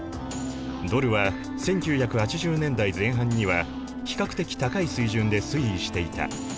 ドルは１９８０年代前半には比較的高い水準で推移していた。